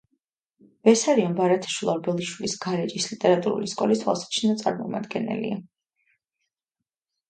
ბესარიონ ბარათაშვილ-ორბელიშვილი გარეჯის ლიტერატურული სკოლის თვალსაჩინო წარმომადგენელია.